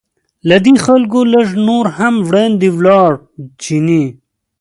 له دې خلکو لږ نور هم وړاندې ولاړ چیني.